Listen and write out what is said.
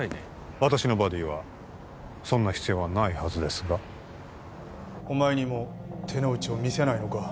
私のバディはそんな必要はないはずですがお前にも手の内を見せないのか？